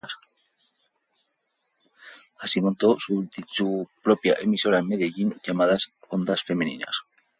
Así montó su propia emisora en Medellín, llamada "Ondas Femeninas".